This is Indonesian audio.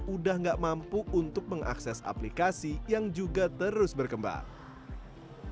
udah gak mampu untuk mengakses aplikasi yang juga terus berkembang